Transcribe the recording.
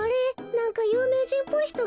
なんかゆうめいじんっぽいひとがいますよ。